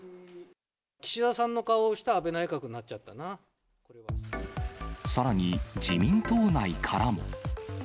岸田さんの顔をした安倍内閣さらに、自民党内からも。